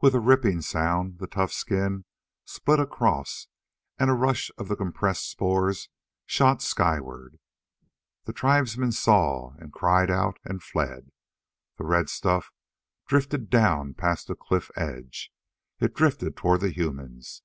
With a ripping sound, the tough skin split across and a rush of the compressed spores shot skyward. The tribesmen saw and cried out and fled. The red stuff drifted down past the cliff edge. It drifted toward the humans.